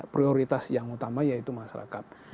prioritas yang utama yaitu masyarakat